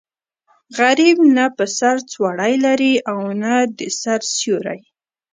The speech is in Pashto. غریب نه په سر څوړی لري او نه د سر سیوری.